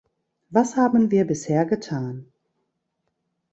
Was haben wir bisher getan?